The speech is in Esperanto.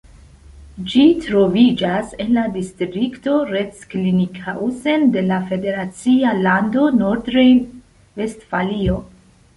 Ĝi troviĝas en la distrikto Recklinghausen de la federacia lando Nordrejn-Vestfalio.